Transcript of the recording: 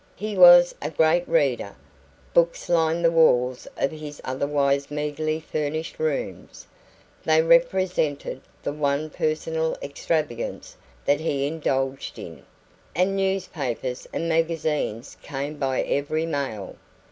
He was a great reader. Books lined the walls of his otherwise meagrely furnished rooms they represented the one personal extravagance that he indulged in and newspapers and magazines came by every mail.